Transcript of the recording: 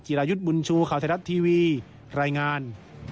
รายุทธ์บุญชูข่าวไทยรัฐทีวีรายงาน